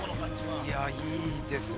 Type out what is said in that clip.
◆いや、いいですね。